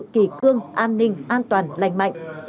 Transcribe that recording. kỳ cương an ninh an toàn lành mạnh